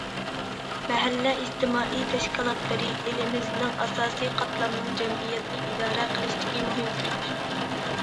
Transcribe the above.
مەھەللە ئىجتىمائىي تەشكىلاتلىرى ئېلىمىزنىڭ ئاساسىي قاتلامنىڭ جەمئىيەتنى ئىدارە قىلىشىدىكى مۇھىم كۈچ.